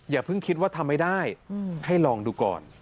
อย่าเพิ่งคิดว่าทำไม่ได้ให้ลองดูก่อน